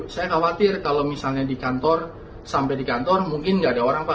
saya khawatir kalau misalnya di kantor sampai di kantor mungkin nggak ada orang pak